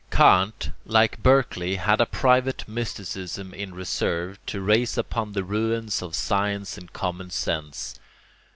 ] Kant, like Berkeley, had a private mysticism in reserve to raise upon the ruins of science and common sense.